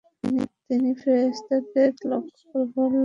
তিনি ফেরেশতাদেরকে লক্ষ্য করে বললেন, আপনারা কার জন্যে এই কবরটি খুঁড়ছেন?